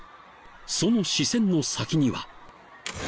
その視線の先には。